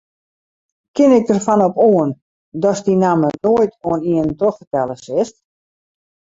Kin ik derfan op oan datst dy namme noait oan ien trochfertelle silst?